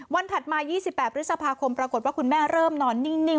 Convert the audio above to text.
ถัดมา๒๘พฤษภาคมปรากฏว่าคุณแม่เริ่มนอนนิ่ง